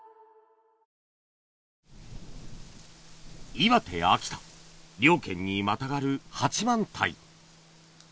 岩手秋田両県にまたがる八幡平